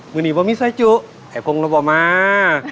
วันนี้ว่ามีซ้ายจุไอ้พงเราบอกมา